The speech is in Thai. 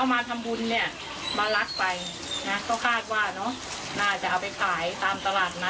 หรือว่าไปขายตามแบร์กระดิน